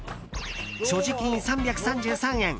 所持金３３３円。